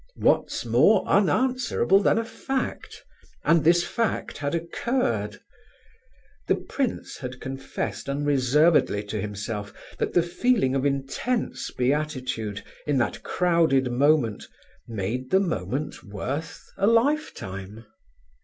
What's more unanswerable than a fact? And this fact had occurred. The prince had confessed unreservedly to himself that the feeling of intense beatitude in that crowded moment made the moment worth a lifetime.